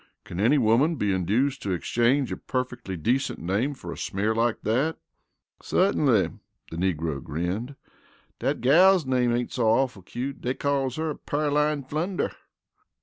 "Can any woman be induced to exchange a perfectly decent name for a smear like that?" "Suttinly," the negro grinned. "Dat gal's name ain't so awful cute. Dey calls her Pearline Flunder."